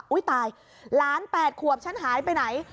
ตายหลาน๘ขวบฉันหายไปไหน